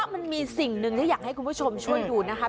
มันมีสิ่งหนึ่งที่อยากให้คุณผู้ชมช่วยดูนะคะ